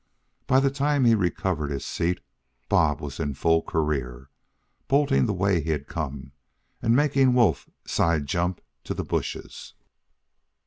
By the time he recovered his seat, Bob was in full career, bolting the way he had come, and making Wolf side jump to the bushes.